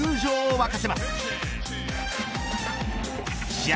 試合